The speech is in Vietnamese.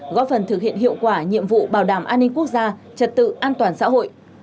góp phần thực hiện hiệu quả nhiệm vụ bảo đảm an ninh quốc gia trật tự an toàn xã hội